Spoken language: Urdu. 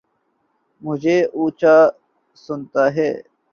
مجھے اونچا سنتا ہے